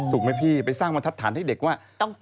ถูกไหมพี่ไปสร้างบรรทัศน์ให้เด็กว่า